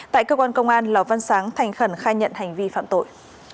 tại cơ quan công an lò văn sáng thành khẩn khai nhận hành vi phạm tội